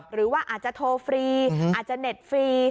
หรือว่าอาจจะโทรฟรีอาจจะเน็ตฟรี